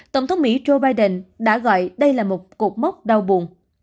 tổng thống mỹ joe biden đã gọi đây là một cột mốc đau buồn